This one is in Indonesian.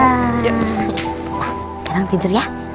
ma sekarang tidur ya